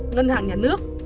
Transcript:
ngân hàng nhà nước